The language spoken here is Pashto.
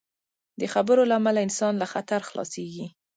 د خبرو له امله انسان له خطر خلاصېږي.